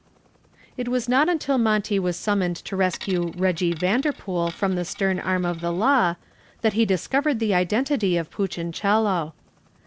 It was not until Monty was summoned to rescue "Reggie" Vanderpool from the stern arm of the law that he discovered the identity of Punchinello.